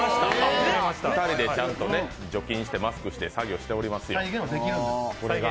２人でちゃんと除菌してマスクして作業しております。